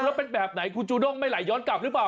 แล้วเป็นแบบไหนคุณจูด้งไม่ไหลย้อนกลับหรือเปล่า